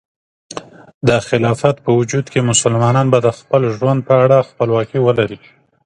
د خلافت په وجود کې، مسلمانان به د خپل ژوند په اړه خپلواکي ولري.